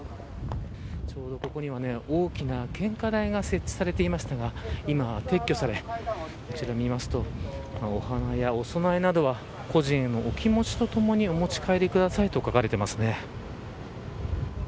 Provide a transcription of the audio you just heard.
ちょうど、ここには大きな献花台が設置されていましたが今は撤去され見ますと、お花やお供えなどは個人のお気持ちとともにお持ち帰りくださいと書かれていますね。